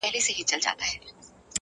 زما له ملا څخه په دې بد راځي،